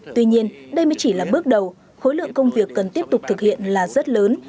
tuy nhiên đây mới chỉ là bước đầu khối lượng công việc cần tiếp tục thực hiện là rất lớn